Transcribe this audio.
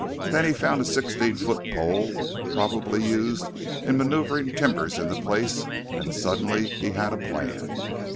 Then he found a sixteen foot pole, probably used in maneuvering timbers into place, and suddenly he had a plan.